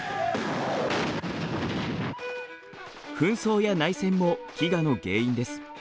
紛争や内戦も飢餓の原因です。